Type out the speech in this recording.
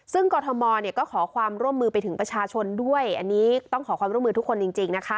ซึ่งกรทมก็ขอความร่วมมือไปถึงประชาชนด้วยอันนี้ต้องขอความร่วมมือทุกคนจริงนะคะ